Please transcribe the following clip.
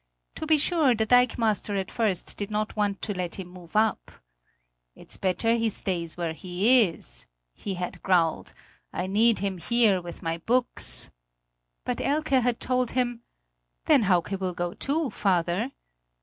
To be sure, the dikemaster at first did not want to let him move up. "It's better he stays what he is," he had growled; "I need him here with my books." But Elke had told him: "Then Hauke will go too, father."